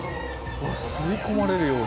吸い込まれるように。